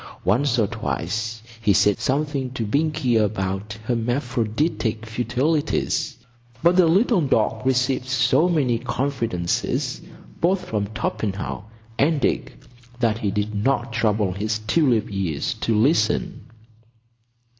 Once or twice he said something to Binkie about "hermaphroditic futilities," but the little dog received so many confidences both from Torpenhow and Dick that he did not trouble his tulip ears to listen.